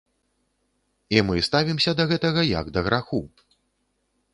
І мы ставімся да гэтага як да граху.